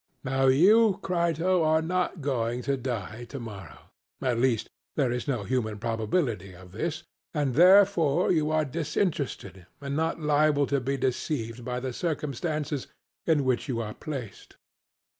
Now you, Crito, are not going to die to morrow at least, there is no human probability of this, and therefore you are disinterested and not liable to be deceived by the circumstances in which you are placed.